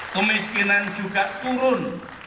kemiskinan juga turun